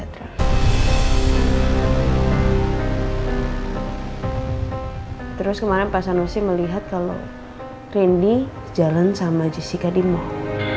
terus kemarin pas anusi melihat kalau rendy jalan sama jessica di mall